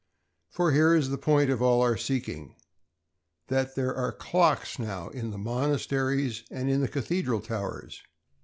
For here is the point of all our seeking—that there are clocks now in the monasteries and in the Cathedral towers.